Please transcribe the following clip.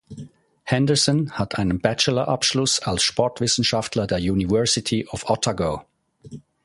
Henderson hat einen Bachelor-Abschluss als Sportwissenschaftler der University of Otago.